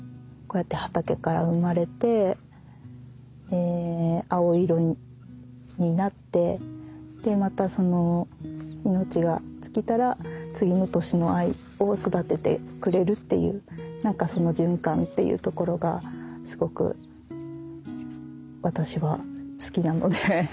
こうやって畑から生まれて青色になってでまたその命が尽きたら次の年の藍を育ててくれるっていう何かその循環っていうところがすごく私は好きなので。